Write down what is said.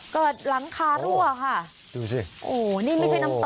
ก็หลังคารั่วค่ะนี่ไม่ใช่น้ำตกนะคะ